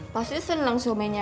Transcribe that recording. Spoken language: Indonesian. pasti seneng somenya